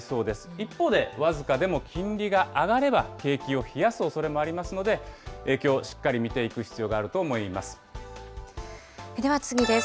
一方で、僅かでも金利が上がれば、景気を冷やすおそれもありますので、影響をしっかり見ていく必要があると思います。